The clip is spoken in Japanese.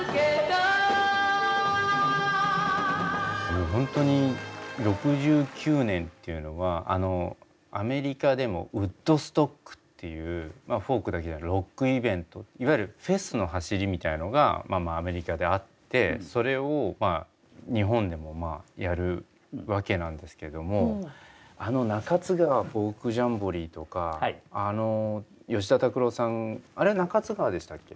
もうホントに６９年っていうのはアメリカでもウッドストックっていうフォークだけじゃないロックイベントいわゆるフェスのはしりみたいのがまあまあアメリカであってそれをまあ日本でもやるわけなんですけどもあの中津川フォークジャンボリーとか吉田拓郎さんあれ中津川でしたっけ？